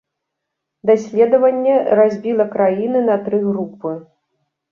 Даследаванне разбіла краіны на тры групы.